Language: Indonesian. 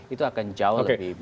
itu akan jauh lebih baik